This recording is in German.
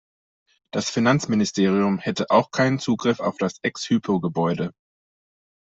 Das Finanzministerium hätte auch keinen Zugriff auf das ex-Hypo-Gebäude.